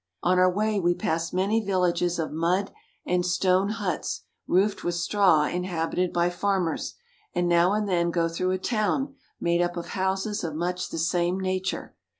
On our way we pass many villages of mud and stone huts roofed with straw inhabited by farmers, and now and then go through a town made up of houses of much the same nature.